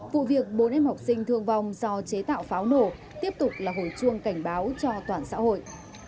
vụ việc bốn em học sinh thương vong do chế tạo pháo nổ tiếp tục là hồi chuông cảnh báo cho toàn xã hội